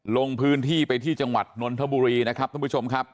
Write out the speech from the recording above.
ลงพื้นที่ไปที่จังหวัดนนทบุรีนะครับท่านผู้ชมครับ